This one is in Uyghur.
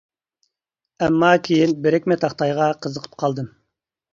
ئەمما كىيىن بىرىكمە تاختايغا قىزىقىپ قالدىم.